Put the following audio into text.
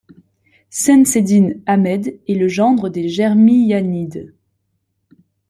Şemseddin Ahmed est le gendre des Germiyanides.